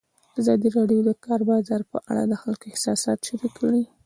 ازادي راډیو د د کار بازار په اړه د خلکو احساسات شریک کړي.